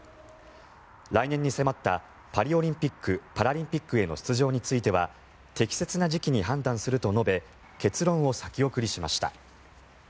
来年に迫ったパリオリンピック・パラリンピックへの出場については適切な時期に判断すると述べ決断を先送りしました。